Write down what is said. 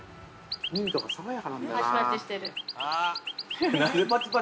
◆ミントが爽やかなんだよなー。